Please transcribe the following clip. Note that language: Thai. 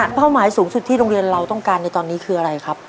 เป้าหมายสูงสุดที่โรงเรียนเราต้องการในตอนนี้คืออะไรครับ